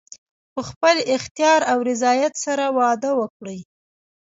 په خپل اختیار او رضایت سره واده وکړي.